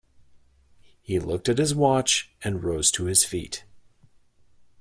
He looked at his watch and rose to his feet.